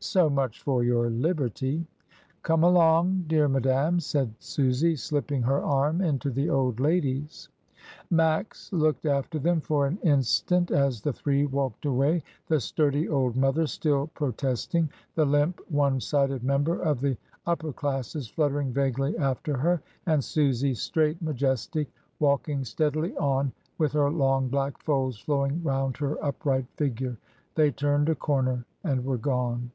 So much for your liberty." "Come along, dear madame," said Susy, slipping her arm into the old lady's. 220 MRS. DYMOND. Max looked after them for an instant as the three walked away, the sturdy old mother still pro testing; the limp one sided member of the upper classes fluttering vaguely after her; and Susy, straight, majestic, walking steadily on with her long black folds flowing round her upright figure. They turned a comer and were gone.